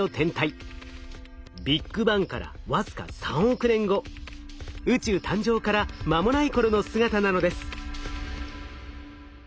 ビッグバンから僅か３億年後宇宙誕生から間もない頃の姿なのです。